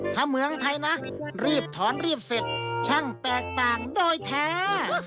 ถ้าเมืองไทยนะรีบถอนรีบเสร็จช่างแตกต่างโดยแท้